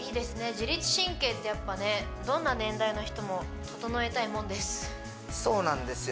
自律神経ってやっぱねどんな年代の人も整えたいもんですそうなんですよ